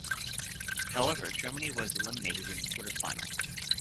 However, Germany was eliminated in the quarter-final.